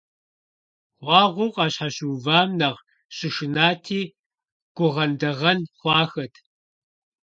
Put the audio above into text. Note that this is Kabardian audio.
Гъуахъуэу къащхьэщыувам нэхъ щышынати, гугъэндэгъэн хъуахэт.